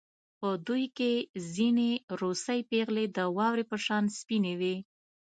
په دوی کې ځینې روسۍ پېغلې د واورې په شان سپینې وې